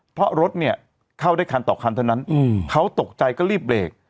เพราะรถเนี่ยเข้าได้คันต่อคันเท่านั้นเขาตกใจก็รีบเบรก